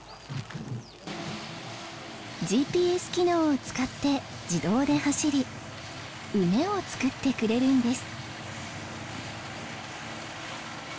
ＧＰＳ機能を使って自動で走り畝を作ってくれるんです。